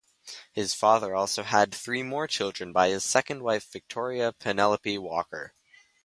Her father also had three more children by his second wife Victoria Penelope Walker.